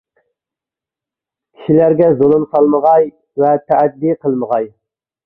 كىشىلەرگە زۇلۇم سالمىغاي ۋە تەئەددى قىلمىغاي.